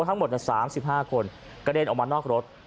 ทั้งหมด๓๕คนกระเด็นออกมานอกรถ